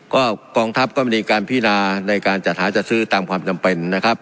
ก็กองทัพก็มีการพินาในการจัดหาจัดซื้อตามความจำเป็นนะครับ